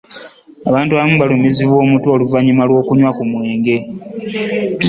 abantu abamu balumizibwa omutwe oluvanyuma lwokunywa ku mwenge.